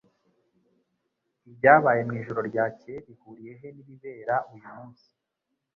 Ibyabaye mwijoro ryakeye bihuriye he nibibera uyu munsi